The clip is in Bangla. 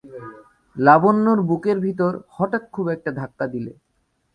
লাবণ্যর বুকের ভিতরে হঠাৎ খুব একটা ধাক্কা দিলে।